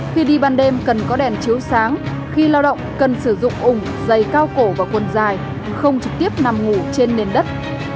khi đi ban đêm cần có đèn chiếu sáng khi lao động cần sử dụng ủng dày cao cổ và quần dài không trực tiếp nằm ngủ trên nền đất